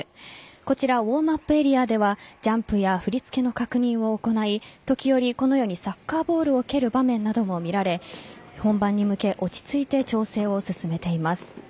こちらウォームアップエリアではジャンプや振り付けの確認を行い時折、このようにサッカーボールを蹴る場面なども見られ本番に向け落ち着いて調整を進めています。